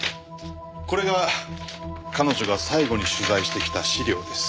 これが彼女が最後に取材してきた資料です。